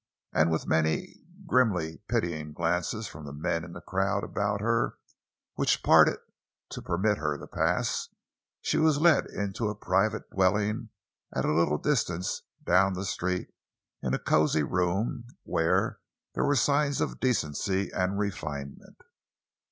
And with many grimly pitying glances from the men in the crowd about her, which parted to permit her to pass, she was led into a private dwelling at a little distance down the street, into a cozy room where there were signs of decency and refinement.